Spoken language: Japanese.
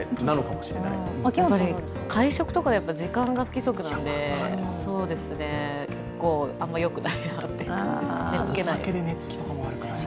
外食とかで時間が不規則なのであんまりよくないなっていう感じ、寝つけない。